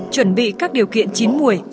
chuẩn bị các điều kiện chín mùi